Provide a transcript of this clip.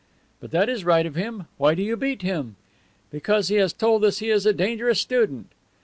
"'But that is right of him. Why do you beat him?' "'Because he has told us he is a dangerous student.